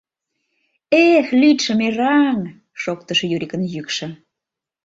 — Эх, лӱдшӧ мераҥ! — шоктыш Юрикын йӱкшӧ.